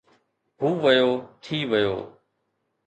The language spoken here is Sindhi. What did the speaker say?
هو ويو، ٿي ويو